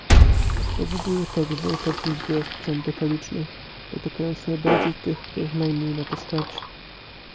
Spowoduje to gwałtowny wzrost cen detalicznych, dotykając najbardziej tych, których najmniej na to stać